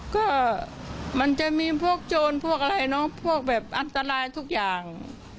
ก็มันจะมีพวกโจรพวกอะไรเนอะพวกแบบอันตรายทุกอย่าง